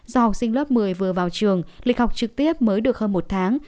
do học sinh lớp một mươi vừa vào trường lịch học trực tiếp mới được hơn một tháng